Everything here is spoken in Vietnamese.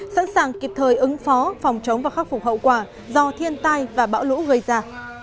sẵn sàng kịp thời ứng phó phòng chống và khắc phục hậu quả do thiên tai và bão lũ gây ra